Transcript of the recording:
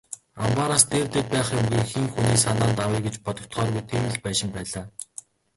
Амбаараас дээрдээд байх юмгүй, хэн хүний санаанд авъя гэж бодогдохооргүй тийм л байшин байлаа.